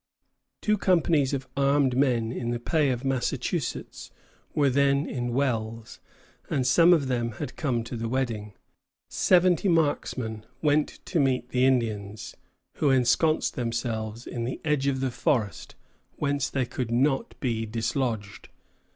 Two companies of armed men in the pay of Massachusetts were then in Wells, and some of them had come to the wedding. Seventy marksmen went to meet the Indians, who ensconced themselves in the edge of the forest, whence they could not be dislodged.